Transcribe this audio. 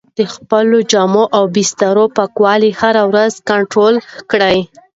د خپلو جامو او بسترې پاکوالی هره ورځ کنټرول کړئ.